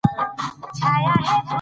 برېښنا د خلکو ژوند بدل کړی دی.